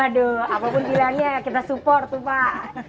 waduh apapun pilihannya kita support tuh pak